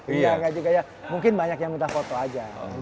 iya kadang kadang mungkin banyak yang minta foto aja